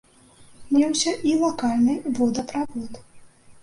Меўся і лакальны водаправод.